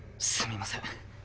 すみません。